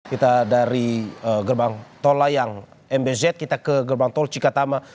kita dari gerbang tol layang mbz kita ke gerbang tol cikatama